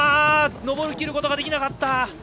上りきることができなかった。